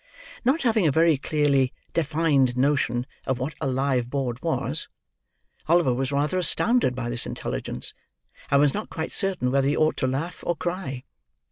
Not having a very clearly defined notion of what a live board was, Oliver was rather astounded by this intelligence, and was not quite certain whether he ought to laugh or cry.